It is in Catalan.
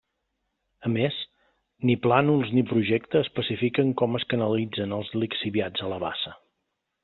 A més, ni plànols ni Projecte especifiquen com es canalitzen els lixiviats a la bassa.